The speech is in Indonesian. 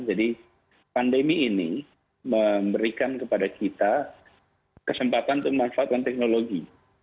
jadi pandemi ini memberikan kepada kita kesempatan untuk memanfaatkan teknologi